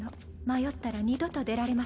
迷ったら二度と出られませんわ。